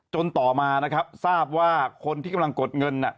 ต่อมานะครับทราบว่าคนที่กำลังกดเงิน